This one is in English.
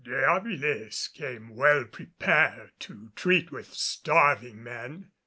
De Avilés came well prepared to treat with starving men.